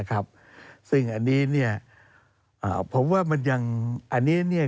นะครับซึ่งอันนี้เนี่ยอ่าเพราะว่ามันยังอันนี้เนี่ย